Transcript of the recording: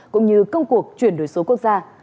cũng như công cuộc chuyển đổi số quốc gia